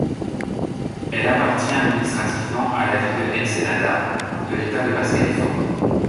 Elle appartient administrativement à la ville de Ensenada de l’État de Basse-Californie.